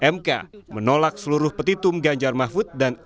mk menolak seluruh petitum ganjar mahfud dan